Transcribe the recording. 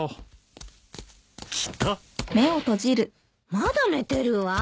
まだ寝てるわ。